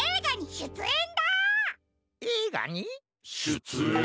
しゅつえん？